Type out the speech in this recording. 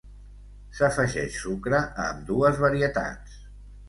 S'afegeix sucre a ambdues varietats.